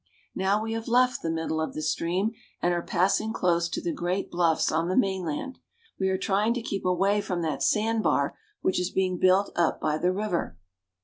Now we have left the middle of the stream and are pass ing close to the great bluffs on the mainland. We are try ing to keep away from that sand bar which is being built up by the river.